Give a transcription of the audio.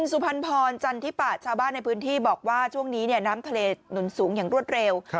สุพรรณพรจันทิปะชาวบ้านในพื้นที่บอกว่าช่วงนี้น้ำทะเลหนุนสูงอย่างรวดเร็ว